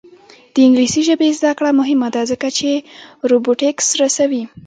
د انګلیسي ژبې زده کړه مهمه ده ځکه چې روبوټکس رسوي.